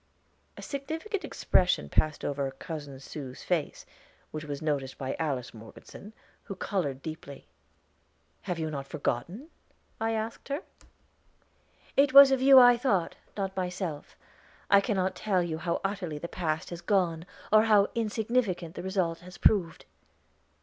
A significant expression passed over Cousin Sue's face, which was noticed by Alice Morgeson, who colored deeply. "Have you not forgotten?" I asked her. "It was of you I thought, not myself. I cannot tell you how utterly the past has gone, or how insignificant the result has proved."